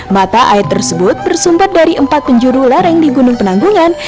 mata air tersebut bersumber dari empat penjuru lereng di gunung penanggungan